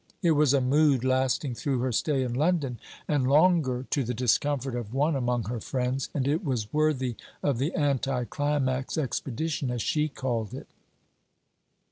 It was a mood lasting through her stay in London, and longer, to the discomfort of one among her friends; and it was worthy of The Anti climax Expedition, as she called it.